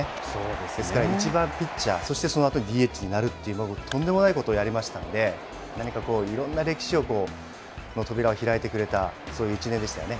ですから１番ピッチャー、そしてそのあとにＤＨになるっていう、とんでもないことをやりましたんで、何かこう、いろんな歴史の扉を開いてくれた、そういう一年でしたよね。